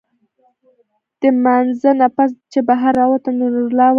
د مانځۀ نه پس چې بهر راووتم نو نورالله وايي